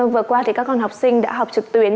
vừa qua thì các con học sinh đã học trực tuyến